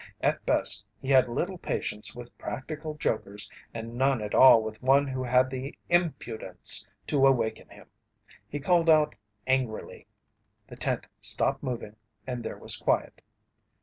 At best he had little patience with practical jokers and none at all with one who had the impudence to awaken him. He called out angrily. The tent stopped moving and there was quiet.